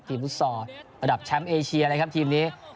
ทีมฟุตซอลระดับชมเปาเชียร์อะไรครับทีมนี้